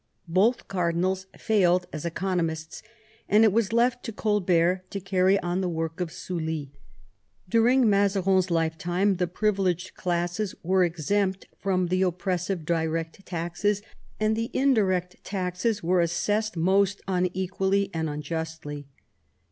Both cardinals failed as economists, and it was left to Colbert to carry on the work of Sully. During Mazarin's lifetime the privileged classes were exempt from the oppressive direct taxes, and the in direct taxes were assessed most unequally and un justly.